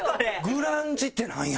「グランジ」ってなんや？